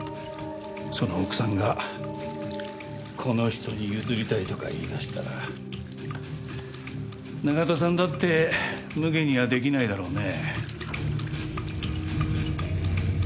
その奥さんがこの人に譲りたいとか言い出したら永田さんだってむげには出来ないだろうね。